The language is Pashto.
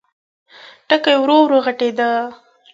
ټکی ورو، ورو غټېده.